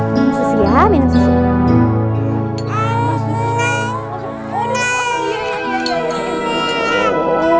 susu ya minum susu